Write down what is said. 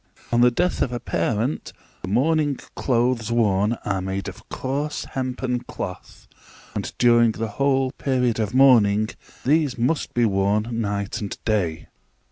On the death of a parent, the mourning clothes worn are made of coarse hempen cloth, and during the whole period of mourning these must be worn night and day.